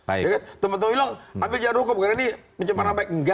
ambil jadwal hukum